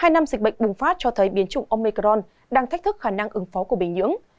hai năm dịch bệnh bùng phát cho thấy biến trụng omicron đang thách thức khả năng ứng phó của bệnh nhưỡng